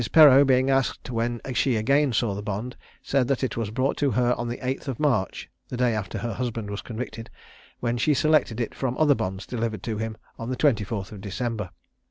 Perreau, being asked when she again saw the bond, said that it was brought to her on the 8th of March (the day after her husband was convicted), when she selected it from other bonds delivered to him on the 24th of December.